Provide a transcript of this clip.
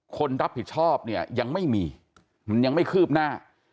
คนรับผิดชอบเนี่ยยังไม่มีมันยังไม่คืบหน้า